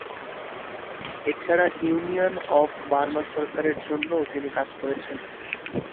এছাড়া union of Burma সরকারের জন্যও তিনি কাজ করেছেন।